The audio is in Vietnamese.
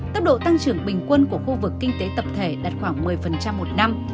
tốc độ tăng trưởng bình quân của khu vực kinh tế tập thể đạt khoảng một mươi một năm